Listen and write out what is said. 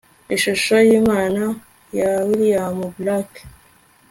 ishusho y'imana ya william blake